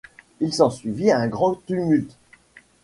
Il s’ensuivit un grand tumulte.